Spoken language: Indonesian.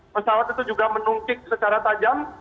pesawat itu juga menungkik secara tajam